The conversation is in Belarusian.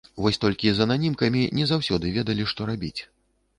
Вось толькі з ананімкамі не заўсёды ведалі, што рабіць.